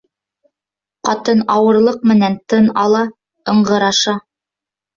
Ҡатын ауырлыҡ менән тын ала, ыңғыраша.